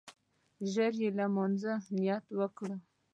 ژر يې لمانځه ته نيت وکړ.